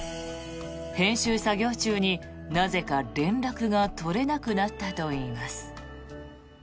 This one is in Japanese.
編集作業中になぜか、連絡が取れなくなったといいます。